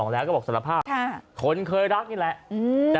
แล้วก็บอกสารภาพคนเคยรักนี่แหละ